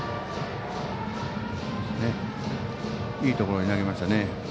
いいところに投げましたね。